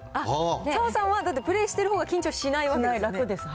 澤さんは、だって、プレーしてるほうが緊張しないわけですよね。